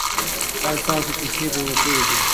ایا ستاسو کیسې په زړه پورې دي؟